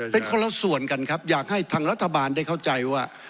เป็นคนละส่วนกันครับอยากให้ทางรัฐบาลได้เข้าใจว่า